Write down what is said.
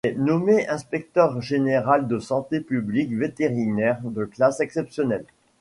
Il est nommé Inspecteur général de santé publique vétérinaire de classe exceptionnelle.